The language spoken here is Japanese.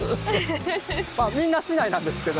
まあみんな市内なんですけど。